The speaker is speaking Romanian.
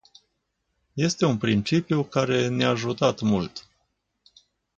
Este un principiu care ne-a ajutat mult.